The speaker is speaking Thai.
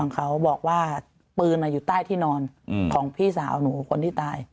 เขาบอกว่าปืนอยู่ใต้ที่นอนของพี่สาวหนูคนที่ตาย